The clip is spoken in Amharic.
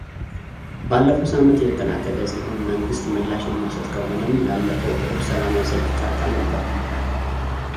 ባለፈው ሳምንት የተጠናቀቀ ሲሆን መንግሥት ምላሽ የማይሰጥ ከሆነም ላለፈው እሁድ ሰላማዊ ሰልፍ ጠርታ ነበር።